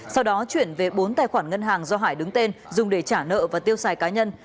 sau đó chuyển về bốn tài khoản ngân hàng do hải đứng tên dùng để trả nợ và tiêu xài cá nhân